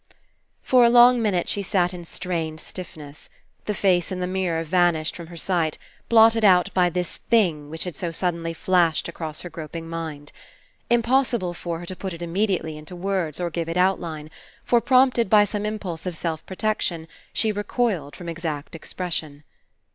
For a long minute she sat in strained stiffness. The face in the mirror vanished from her sight, blotted out by this thing which had so suddenly flashed across her groping mind. Impossible for her to put it immediately into words or give it outline, for, prompted by some impulse of self protection, she recoiled from exact expression.